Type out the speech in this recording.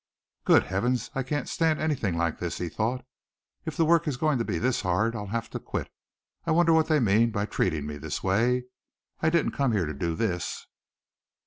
"Good heavens, I can't stand anything like this," he thought. "If the work is going to be this hard I'll have to quit. I wonder what they mean by treating me this way. I didn't come here to do this."